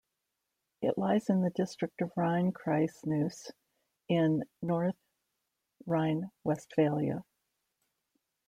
It lies in the district of Rhein-Kreis Neuss in North Rhine-Westphalia.